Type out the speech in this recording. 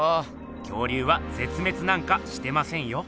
恐竜はぜつめつなんかしてませんよ。